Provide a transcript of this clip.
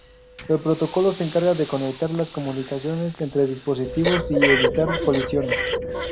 El protocolo se encarga de conectar las comunicaciones entre dispositivos y evitar colisiones.